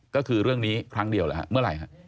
ก็คือเรื่องนี้ครั้งเดียวหรือฮะเมื่อไหร่ฮะ